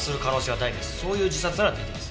そういう自殺なら出来ます。